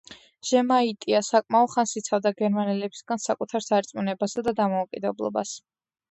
ჟემაიტია საკმაო ხანს იცავდა გერმანელებისგან საკუთარ სარწმუნოებასა და დამოუკიდებლობას.